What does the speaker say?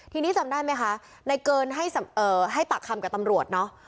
ทีนี้จำได้ไหมคะในเกินให้ปากคำกับตำรวจเนอะ